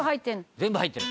「全部入ってる」